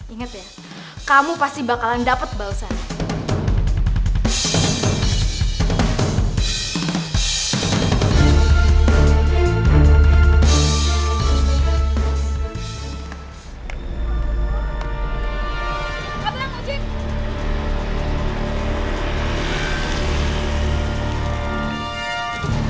ingat ya kamu pasti bakalan dapet bau sana